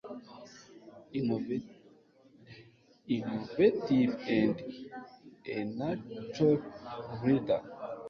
innovative and a natural leader